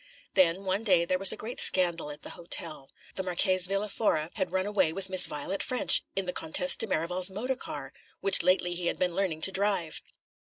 Then, one day, there was a great scandal at the hotel. The Marchese Villa Fora had run away with Miss Violet Ffrench, in the Comtesse de Merival's motor car, which lately he had been learning to drive.